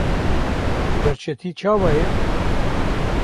birçîtî çawa ye?